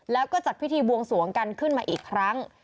แล้วก็จัดพิธีบวงสวงกันขึ้นมาอีกครั้ง